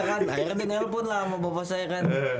iya kan akhirnya di nelpon lah sama bapak saya kan